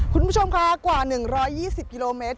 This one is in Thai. คุณผู้ชมค่ะกว่า๑๒๐กิโลเมตร